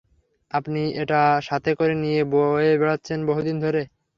আপনি এটা সাথে করে নিয়ে বয়ে বেড়াচ্ছেন বহুদিন ধরে।